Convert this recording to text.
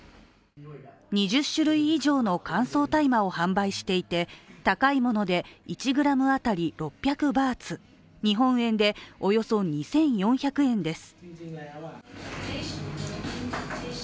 ２０種類以上の乾燥大麻を販売していて高いもので１ｇ当たり６００バーツ、日本円で、およそ２４００円です。